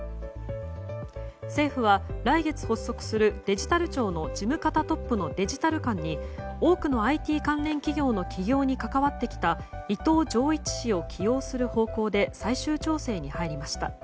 政府は来月発足するデジタル庁の事務方トップのデジタル監に多くのＩＴ関連企業の起業に関わってきた伊藤穣一氏を起用する方向で最終調整に入りました。